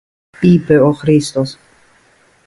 είπε ο Χρήστος